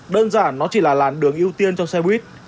đơn giản nó chỉ là làn đường ưu tiên cho xe buýt